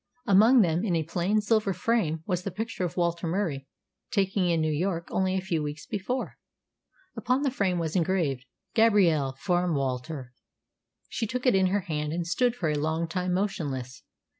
Among them, in a plain silver frame, was the picture of Walter Murie taken in New York only a few weeks before. Upon the frame was engraved, "Gabrielle, from Walter." She took it in her hand, and stood for a long time motionless.